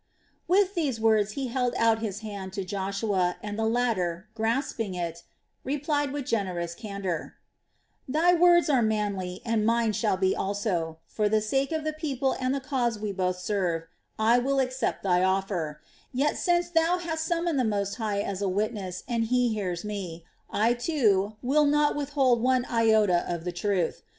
With these words he held out his hand to Joshua and the latter, grasping it, replied with generous candor: "Thy words are manly and mine shall be also. For the sake of the people and the cause we both serve, I will accept thy offer. Yet since thou hast summoned the Most High as a witness and He hears me, I, too, will not withhold one iota of the truth.